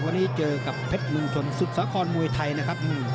วันนี้เจอกับเพชรเมืองชนสุดสาครมวยไทยนะครับ